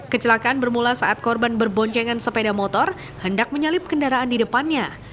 kecelakaan bermula saat korban berboncengan sepeda motor hendak menyalip kendaraan di depannya